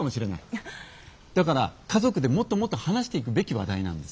だから家族でもっともっと話していくべき話題なんです。